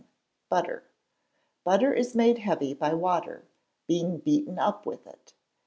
Butter. Butter is made heavy by water, being beaten up with it.